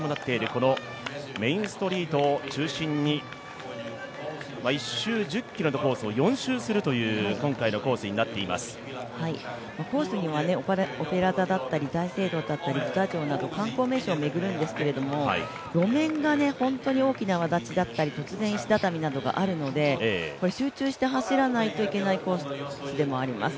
このメインストリートを中心に、１周１０ｋｍのコースを４周するというコースにはオペラ座だったり、大聖堂だったりブダ城だったり、観光名所を巡るんですが、路面が本当に大きなわだちだったり突然石畳があるので、集中して走らないといけないコースでもあります。